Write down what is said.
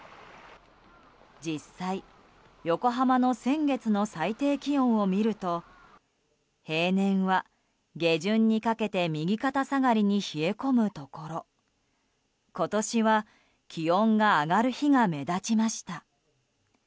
実際、横浜の先月の最低気温を見ると平年は、下旬にかけて右肩下がりに冷え込むところ今年は気温が上がる日が目立ちました。